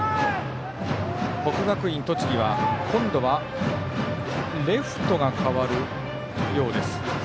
国学院栃木は今度はレフトが代わるようです。